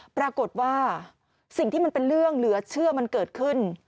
ปรากฏว่าสิ่งที่มันเป็นเรื่องเหลือเชื่อมันเกิดขึ้น